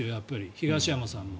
東山さんも。